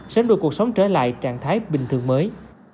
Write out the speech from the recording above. sớm đưa cuộc sống trở lại trạng thái bình thường mới